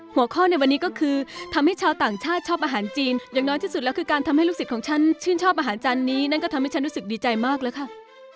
หัวข้อในวันนี้ก็คือทำให้ชาวต่างชาติชอบอาหารจีนอย่างน้อยที่สุดแล้วคือการทำให้ลูกศิษย์ของฉันชื่นชอบอาหารจานนี้นั่นก็ทำให้ฉันรู้สึกดีใจมากแล้วค่ะ